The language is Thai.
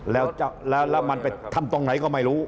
แล้วมันไปทำตรงไหนก็ไม่รู้